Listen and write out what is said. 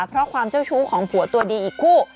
เพราะความเจ้าชู้ของผัวตัวดีอีกคู่